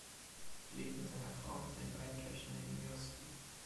Er lebt mit seiner Frau und seinen beiden Töchtern in New York City.